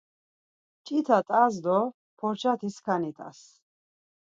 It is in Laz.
Mç̌ita t̆as do porçati skani t̆as.